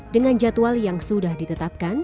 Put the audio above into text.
dengan jadwal yang sudah ditetapkan